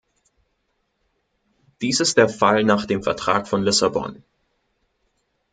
Dies ist der Fall nach dem Vertrag von Lissabon.